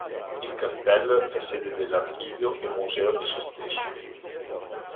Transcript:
Il castello è sede dell'archivio e museo di sé stesso.